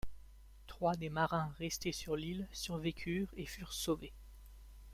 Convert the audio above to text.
Trois des marins restés sur l'île survécurent et furent sauvés.